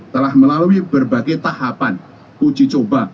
telah melalui berbagai tahapan uji coba